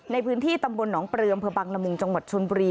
ในพื้นที่ตำบลหนองปลืออำเภอบังละมุงจังหวัดชนบุรี